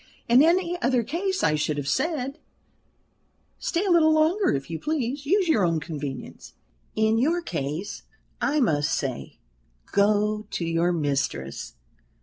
"In any other case I should have said, 'Stay a little longer, if you please. Use your own convenience.' In your case I must say, 'Go to your mistress.'